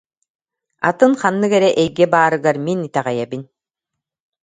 Атын ханнык эрэ эйгэ баарыгар мин итэҕэйэбин